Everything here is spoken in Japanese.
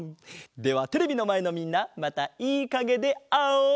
ではテレビのまえのみんなまたいいかげであおう！